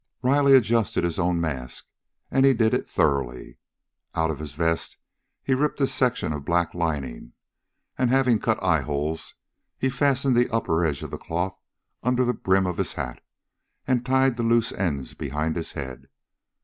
Riley adjusted his own mask, and he did it thoroughly. Out of his vest he ripped a section of black lining, and, having cut eyeholes, he fastened the upper edge of the cloth under the brim of his hat and tied the loose ends behind his head.